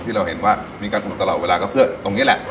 เราเห็นว่ามีการสนุนตลอดเวลาก็เพื่อตรงนี้แหละ